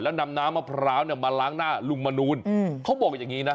แล้วนำน้ำมะพร้าวเนี่ยมาล้างหน้าลุงมนูลเขาบอกอย่างนี้นะ